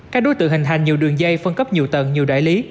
các đối tượng hình thành nhiều đường dây phân cấp nhiều tầng nhiều đại lý